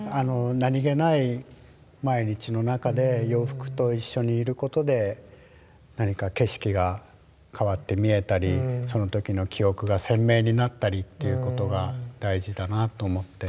何気ない毎日の中で洋服と一緒にいることで何か景色が変わって見えたりその時の記憶が鮮明になったりっていうことが大事だなと思って。